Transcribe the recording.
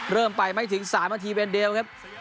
เริ่มไปไม่ถึง๓นาทีเป็นเดลครับ